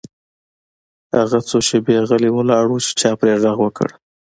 هغه څو شیبې غلی ولاړ و چې چا پرې غږ وکړ